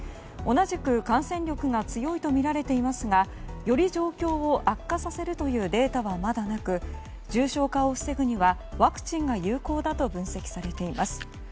同じく感染力が強いとみられていますがより状況を悪化させるというデータはまだなく重症化を防ぐにはワクチンが有効だと分析されています。